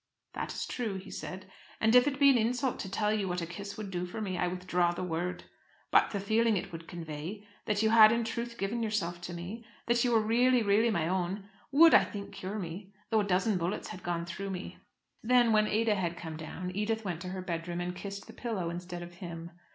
"That is true," he said. "And if it be an insult to tell you what a kiss would do for me, I withdraw the word. But the feeling it would convey, that you had in truth given yourself to me, that you were really, really my own, would I think cure me, though a dozen bullets had gone through me." Then when Ada had come down, Edith went to her bedroom, and kissed the pillow, instead of him.